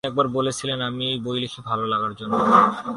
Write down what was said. তিনি একবার বলেছিলেন, আমি বই লিখি ভালো লাগার জন্য।